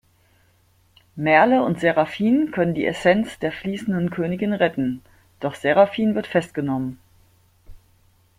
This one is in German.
Merle und Serafin können die Essenz der fließenden Königin retten, doch Serafin wird festgenommen.